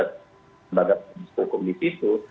lembaga hukum di situ